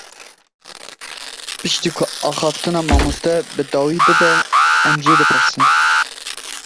Piştî ku axaftina mamoste bi dawî bibe, em jê dipirsin.